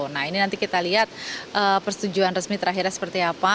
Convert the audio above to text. nah ini nanti kita lihat persetujuan resmi terakhirnya seperti apa